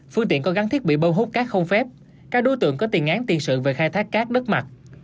phương tiện có gắn thiết bị bâu hút cát không phép các đối tượng có tiền án tiền sự về khai thác cát đất mặt